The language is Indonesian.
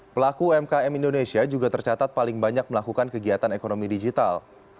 pelaku umkm indonesia juga tercatat paling banyak melakukan kegiatan ekonomi digital